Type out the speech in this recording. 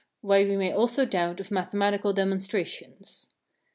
Why we may also doubt of mathematical demonstrations.